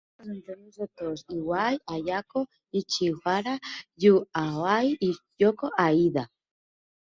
Protagonitza els anteriors actors Iwai Hayato Ichihara, Yu Aoi i Shoko Aida.